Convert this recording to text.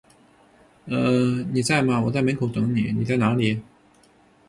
呃…你在吗，我在门口等你，你在哪里？